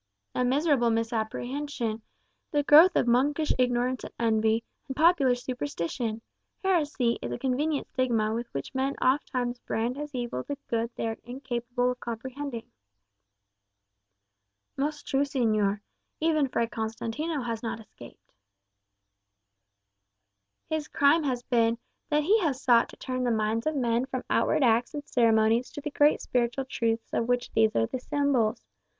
"A miserable misapprehension; the growth of monkish ignorance and envy, and popular superstition. Heresy is a convenient stigma with which men ofttimes brand as evil the good they are incapable of comprehending." "Most true, señor. Even Fray Constantino has not escaped." "His crime has been, that he has sought to turn the minds of men from outward acts and ceremonies to the great spiritual truths of which these are the symbols.